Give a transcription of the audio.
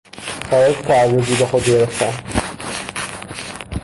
حالت تعرضی به خود گرفتن